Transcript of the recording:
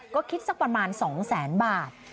ก็คิดสักประมาณ๒๐๐๐๐๐บาท